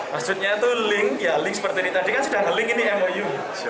maksudnya itu link ya link seperti ini tadi kan sudah nge link ini mou